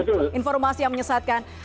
yang menyebarkan informasi yang menyesatkan